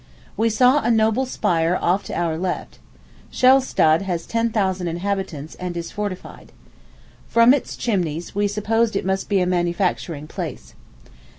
We saw a noble spire off to our left. Schlestadt has ten thousand inhabitants, and is fortified. From it chimneys, we supposed it must be a manufacturing place.